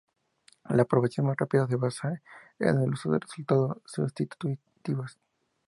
La aprobación más rápida se basa en el uso de resultados sustitutivos.